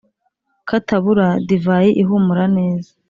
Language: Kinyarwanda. katabura divayi ihumura neza